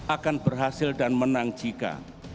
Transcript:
akan berhasil dan menang jika